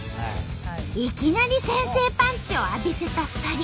いきなり先制パンチを浴びせた２人。